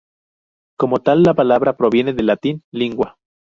Como tal, la palabra proviene del latín "lingua".